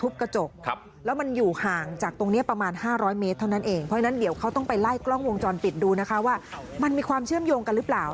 เพราะฉะนั้นเดี๋ยวเขาต้องไปไล่กล้องวงจรปิดดูนะคะว่ามันมีความเชื่อมโยงกันหรือเปล่า